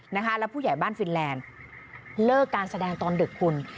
แล้วผู้ใหญ่บ้านฟินแลนด์เลิกการแสดงตอนดึกคุณ